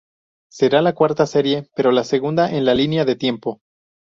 Será la cuarta serie, pero la segunda en la línea de tiempo.